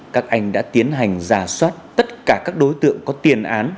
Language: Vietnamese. các anh đã tiến hành giả soát tất cả các đối tượng có tiền án